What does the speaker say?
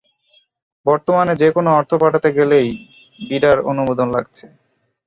বর্তমানে যেকোনো অর্থ পাঠাতে গেলেই বিডার অনুমোদন লাগছে।